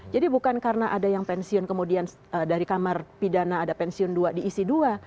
jadi bukan karena ada yang pensiun kemudian dari kamar pidana ada pensiun dua diisi dua